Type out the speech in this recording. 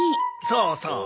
そうそう。